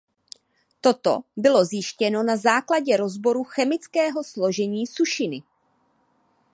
Toto bylo zjištěno na základě rozboru chemického složení sušiny.